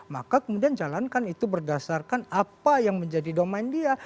maka kemudian jalankan itu berdasarkan apa yang menjadi domain dia